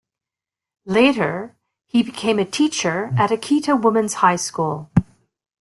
Later, he became a teacher at Akita Women's High School.